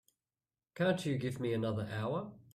Can't you give me another hour?